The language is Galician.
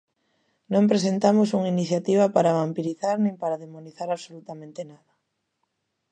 Non presentamos unha iniciativa para vampirizar nin para demonizar absolutamente nada.